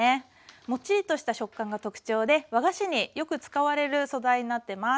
もっちりとした食感が特徴で和菓子によく使われる素材になってます。